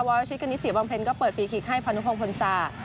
วรรชิดกันนิสีวังเพล็นต์ก็เปิดฟรีคลิกให้พันธุพงศ์พนศา